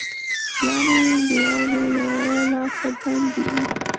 لاري د واورو له لاسه بندي وې.